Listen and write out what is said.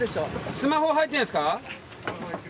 スマホ入ってるんですか？